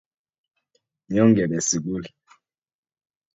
nyoo kebe sugul